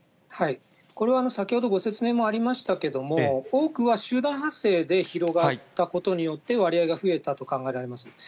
これは先ほどご説明もありましたけれども、多くは集団発生で広がったことによって割合が増えたと考えられます。